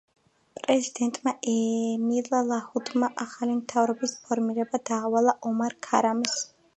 პრეზიდენტმა ემილ ლაჰუდმა ახალი მთავრობის ფორმირება დაავალა ომარ ქარამეს.